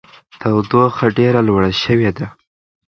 تودوخه ډېره لوړه شوې ده.